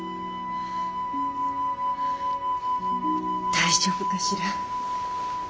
大丈夫かしら。